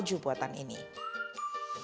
dan juga ada pakaian yang bisa dibeli